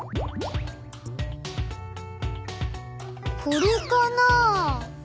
これかな？